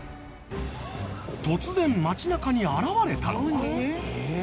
突然街中に現れたのは。